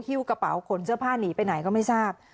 กระเป๋าขนเสื้อผ้าหนีไปไหนก็ไม่ทราบ